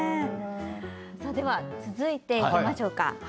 では、続いていきましょう。